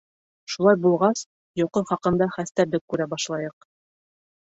Шулай булғас, йоҡо хаҡында хәстәрлек күрә башлайыҡ.